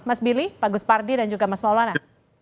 mas billy pak gus pardi dan juga mas maulana